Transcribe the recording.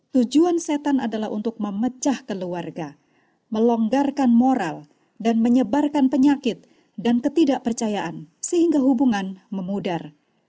tujuan setan adalah untuk memecah keluarga melonggarkan moral dan menyebarkan penyakit dan ketidakpercayaan sehingga hubungan memudar